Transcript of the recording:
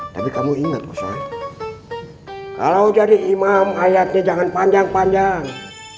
tapi kamu ingat bosan kalau jadi imam ayatnya jangan panjang panjang